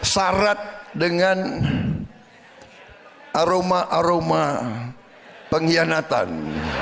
syarat dengan aroma aroma pengkhianatan